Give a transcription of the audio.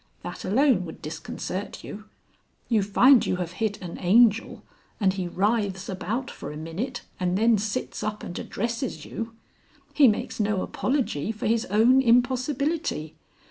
That alone would disconcert you. You find you have hit an Angel, and he writhes about for a minute and then sits up and addresses you. He makes no apology for his own impossibility.